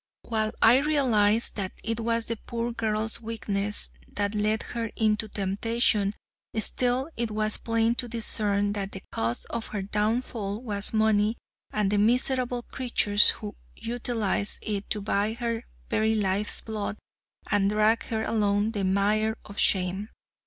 While I realized that it was the poor girl's weakness that led her into temptation, still it was plain to discern that the cause of her downfall was money and the miserable creatures who utilized it to buy her very life's blood and drag her along the mire of shame.